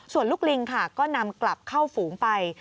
ส่วนลูกลิงค่ะก็นำกลับเข้าฝูงไป